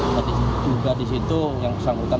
dan juga di situ yang kesangkutan